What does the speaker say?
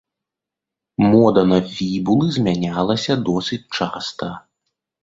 Мода на фібулы змянялася досыць часта.